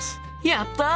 やった！